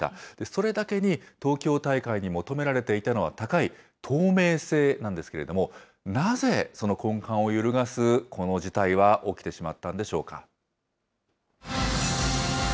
それだけに、東京大会に求められていたのは高い透明性なんですけれども、なぜその根幹を揺るがすこの事態は起きてしまったんでしょうか。